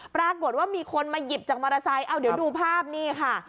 ปรากฏว่ามีคนมาหยิบจากมอเตอร์ไซค์เอาเดี๋ยวดูภาพนี่ค่ะ